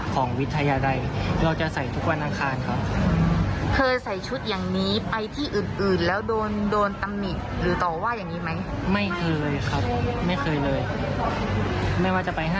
ก็ไม่เคยเลยไม่เคยโดนแบบนี้